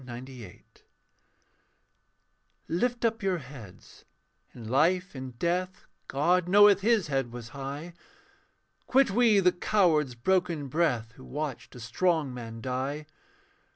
May 1898) Lift up your heads: in life, in death, God knoweth his head was high. Quit we the coward's broken breath Who watched a strong man die.